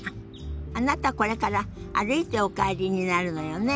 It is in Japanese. あなたこれから歩いてお帰りになるのよね。